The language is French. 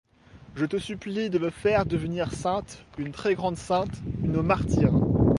Je te supplie de me faire devenir sainte, une très grande sainte, une martyre.